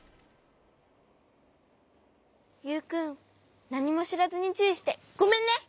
ユウくんなにもしらずにちゅういしてごめんね。